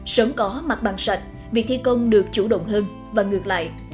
sớm có mặt bằng sạch việc thi công được chủ động hơn và ngược lại